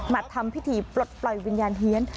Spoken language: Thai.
ทำพิธีปลดปล่อยวิญญาณเฮียน